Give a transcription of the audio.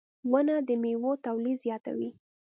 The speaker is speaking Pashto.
• ونه د میوو تولید زیاتوي.